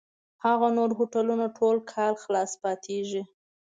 هغه نور هوټلونه ټول کال خلاص پاتېږي.